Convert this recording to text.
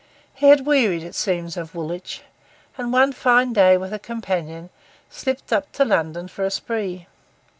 He had wearied, it seems, of Woolwich, and one fine day, with a companion, slipped up to London for a spree.